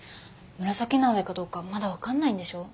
紫の上かどうかまだ分かんないんでしょ？